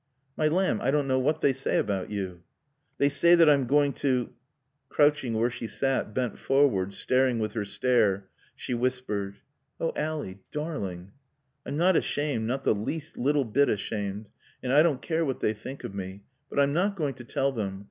"My lamb, I don't know what they say about you." "They say that I'm going to " Crouching where she sat, bent forward, staring with her stare, she whispered. "Oh Ally darling " "I'm not ashamed, not the least little bit ashamed. And I don't care what they think of me. But I'm not going to tell them.